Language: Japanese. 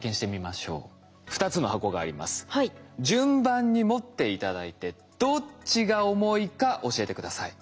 順番に持って頂いてどっちが重いか教えて下さい。